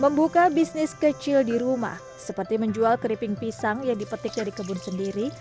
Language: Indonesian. membuka bisnis kecil di rumah seperti menjual keriping pisang yang dipetik dari kebun sendiri